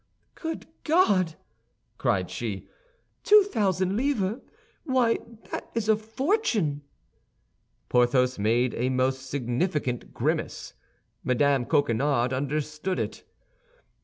"Good God!" cried she, "two thousand livres! Why, that is a fortune!" Porthos made a most significant grimace; Mme. Coquenard understood it.